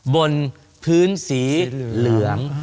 บนพื้นสีเหลือง